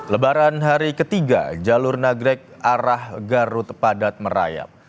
lebaran hari ketiga jalur nagrek arah garut padat merayap